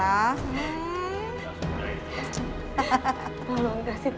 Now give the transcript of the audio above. ya semudah itu